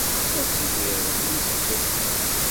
Ad tidireḍ mya iseggasen.